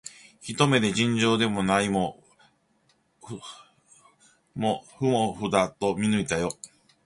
ひと目で、尋常でないもふもふだと見抜いたよ